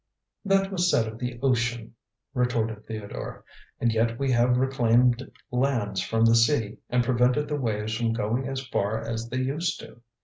'" "That was said of the ocean," retorted Theodore. "And yet we have reclaimed lands from the sea and prevented the waves from going as far as they used to.